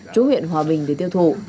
chú huyện hòa bình để tiêu thụ